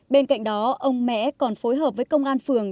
bên cạnh đó ông mẽ còn phối hợp với công an phường